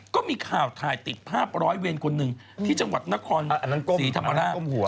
ก็มีข่าวถ่ายติดภาพร้อยเวรคนหนึ่งที่จังหวัดนครศรีธรรมราช